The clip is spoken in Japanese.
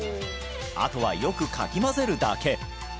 あとはよくかき混ぜるだけ！